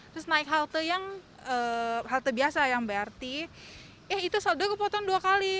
terus naik halte yang halte biasa yang brt eh itu saldo kepotong dua kali